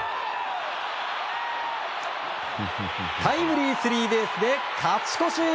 タイムリースリーベースで勝ち越し！